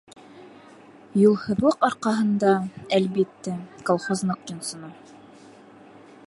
Юлһыҙлыҡ арҡаһында, әлбиттә, колхоз ныҡ йонсоно.